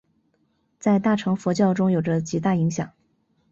在大乘佛教中有着极大影响。